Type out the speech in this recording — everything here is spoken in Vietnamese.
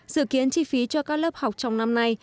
dự kiến chi phí cho các lớp học trong năm nay